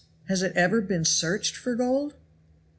Has it ever been searched for gold?"